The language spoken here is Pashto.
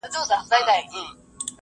سپین موټر دې زما لپاره تل زنده باد وي.